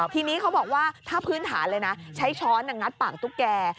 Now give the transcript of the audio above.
ทีนี้เขาบอกว่าถ้าพื้นฐานเลยนะใช้ช้อนงัดปากตุ๊กแก่